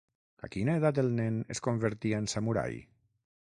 A quina edat el nen es convertia en samurai?